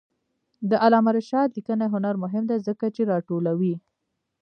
د علامه رشاد لیکنی هنر مهم دی ځکه چې راټولوي.